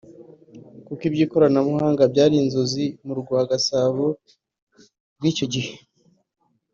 kuko iby’ikoranabuhanga byari inzozi mu rwa Gasabo muri icyo gihe